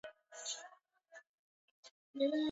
yeyote yule atakaepatikana akiandamana katika barabara